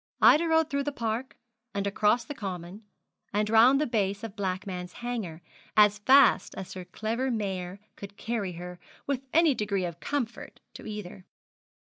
Ida rode through the park, and across the common, and round the base of Blackman's Hanger, as fast as her clever mare could carry her with any degree of comfort to either.